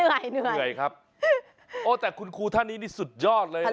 เหนื่อยคุณคุณแบบนี้นี่สุดยอดเลยเว้ย